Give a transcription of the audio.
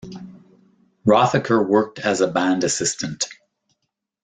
Rothacker worked as a band assistant.